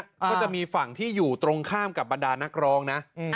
ก็จะมีฝั่งที่อยู่ตรงข้ามกับบรรดานักร้องนะ